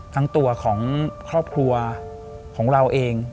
ทั้งตัวของครอบครัวของเราเอง